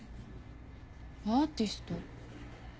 アーティスト？